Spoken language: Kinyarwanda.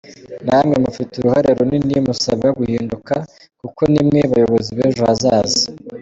Namwe mufite uruhare runini, musabwa guhinduka kuko ni mwe bayobozi b’ejo hazaza.